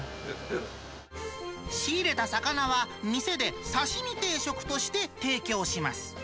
仕入れた魚は、店で刺身定食として提供します。